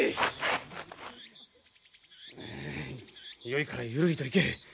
よいからゆるりと行け。